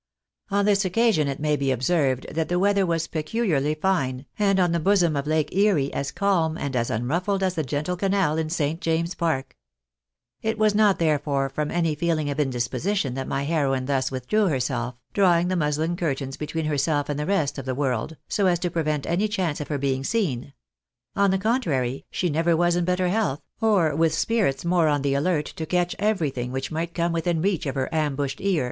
On this occasion it may be observed, that the weather was pecu liarly fine, and on the bosom of Lake Erie as cahn and as unruffled as the gentle canal in St. James's Park. It was not, therefore, from 296 THE BARNAB'iS IS aMEKICa. •any feeling of indisposition that my heroine thus withdrew herself, drawing the muslin curtains between herself and the rest of the world, so as to prevent any chance of her being seen ; on the con trary, she never was in better health, or with spirits more on the alert to catch everything which might come witliin reach of her ambushed ear.